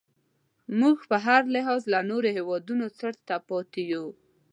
موږ په هر لحاظ له نورو هیوادونو څټ ته پاتې یو.